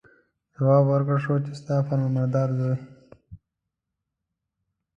جواب ورکړل شو چې ستا فرمانبردار زوی.